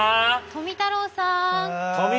富太郎さん。